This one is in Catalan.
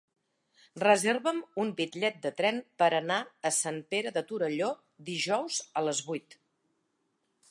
Reserva'm un bitllet de tren per anar a Sant Pere de Torelló dijous a les vuit.